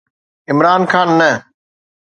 عمران خان نه.